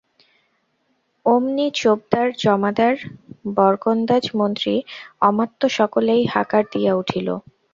অমনি চোপদার জমাদার বরকন্দাজ মন্ত্রী অমাত্য সকলেই হাঁকার দিয়া উঠিল।